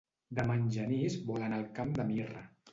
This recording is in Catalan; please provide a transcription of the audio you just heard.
Demà en Genís vol anar al Camp de Mirra.